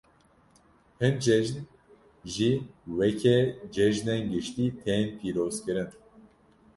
Hin cejn, jî weke cejinên giştî tên pîrozkirin.